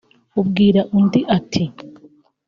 abwira undi ati